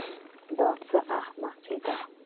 دا څه احمق دی.